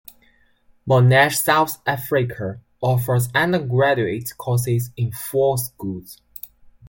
Monash South Africa offers undergraduate courses in four schools.